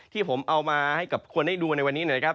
ที่ผมเอามาให้กับคนได้ดูในวันนี้นะครับ